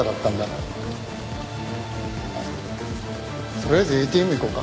とりあえずＡＴＭ行こうか。